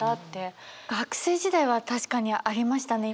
学生時代は確かにありましたね。